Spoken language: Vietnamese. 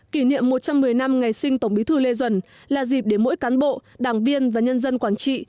kỷ niệm một trăm một mươi năm ngày sinh tổng bí thư lê duẩn là dịp để mỗi cán bộ đảng viên và nhân dân quảng trị